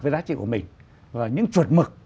với giá trị của mình và những chuẩn mực